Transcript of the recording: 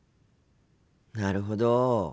なるほど。